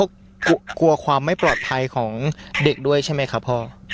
ก็กลัวความไม่ปลอดภัยของเด็กด้วยใช่ไหมครับพ่อ